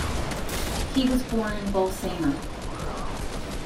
He was born in Bolsena.